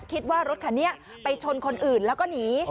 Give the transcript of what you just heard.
คิดว่ารถคันนี้ไปชนคนอื่นแล้วก็หนี